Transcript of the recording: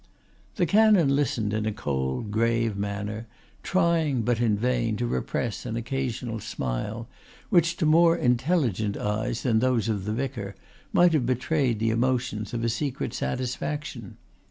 The canon listened in a cold, grave manner, trying, but in vain, to repress an occasional smile which to more intelligent eyes than those of the vicar might have betrayed the emotions of a secret satisfaction.